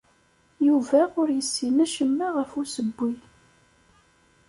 Yuba ur yessin acemma ɣef ussewwi.